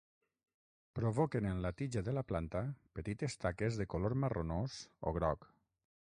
Provoquen en la tija de la planta petites taques de color marronós o groc.